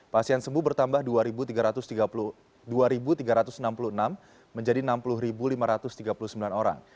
pasien sembuh bertambah dua tiga ratus enam puluh enam menjadi enam puluh lima ratus tiga puluh sembilan orang